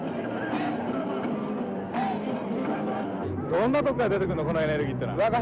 どんなとこから出てくんのこのエネルギーってのは。